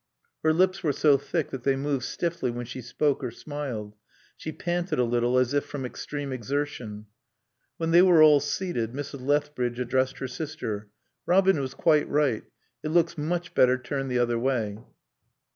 Her lips were so thick that they moved stiffly when she spoke or smiled. She panted a little as if from extreme exertion. When they were all seated Mrs. Lethbridge addressed her sister. "Robin was quite right. It looks much better turned the other way."